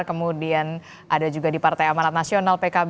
kemudian ada juga di partai amanat nasional pkb